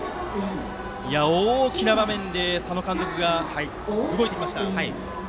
大きな場面で佐野監督が動いてきました。